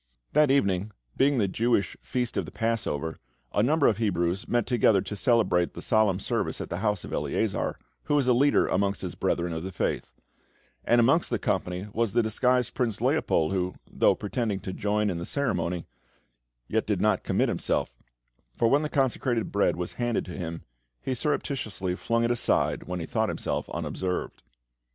That evening, being the Jewish Feast of the Passover, a number of Hebrews met together to celebrate the solemn service at the house of Eleazar, who was a leader amongst his brethren of the faith; and amongst the company was the disguised Prince Leopold, who, though pretending to join in the ceremony, yet did not commit himself, for when the consecrated bread was handed to him, he surreptitiously flung it aside when he thought himself unobserved.